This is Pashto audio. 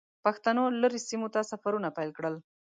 پښتنو لرې سیمو ته سفرونه پیل کړل.